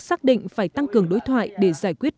xác định phải tăng cường đối thoại để giải quyết